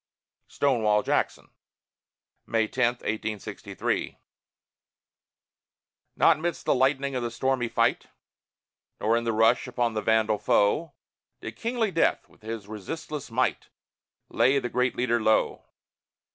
STONEWALL JACKSON [May 10, 1863] Not midst the lightning of the stormy fight, Nor in the rush upon the vandal foe, Did kingly Death, with his resistless might, Lay the great leader low.